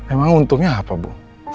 emang untungnya apa bu